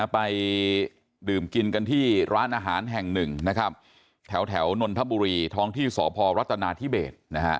ไปดื่มกินกันที่ร้านอาหารแห่งหนึ่งนะครับแถวนนทบุรีท้องที่สพรัฐนาธิเบส